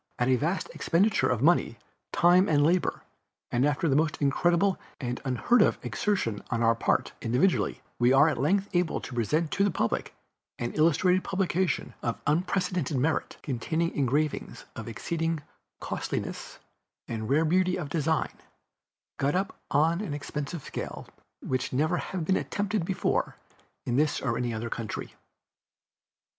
At a vast expenditure of money, time and labor, and after the most incredible and unheard of exertion on our part, individually, we are at length able to present to the public an illustrated publication of unprecedented merit, containing engravings of exceeding costliness and rare beauty of design, got up on an expensive scale which never has been attempted before in this or any other country.